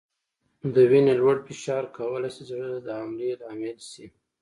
د وینې لوړ فشار کولای شي د زړه د حملې لامل شي.